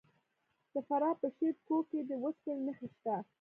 د فراه په شیب کوه کې د وسپنې نښې شته.